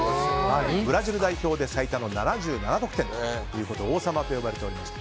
ブラジル代表で最多の７７得点ということで王様と呼ばれておりました。